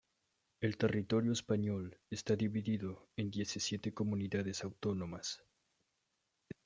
El territorio español está dividido en diecisiete comunidades autónomas.